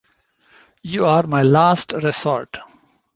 You are my last resort.